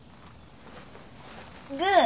グー。